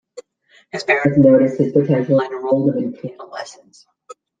His parents noticed his potential and enrolled him in piano lessons.